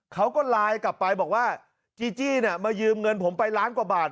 เขาก็ไลน์กลับไปบอกว่าจีจี้มายืมเงินผมไปล้านกว่าบาท